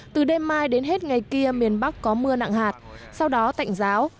từ đêm mai đến hết ngày kia miền bắc có mưa nặng hạt sau đó tạnh giáo